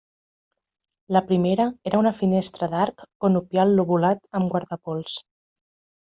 La primera era una finestra d'arc conopial lobulat amb guardapols.